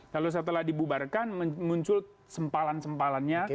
lalu setelah dibubarkan muncul sempalan sempalannya